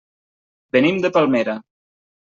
Venim de Palmera.